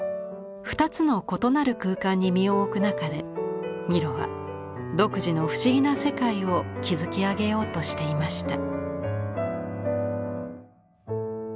２つの異なる空間に身を置く中でミロは独自の不思議な世界を築き上げようとしていました。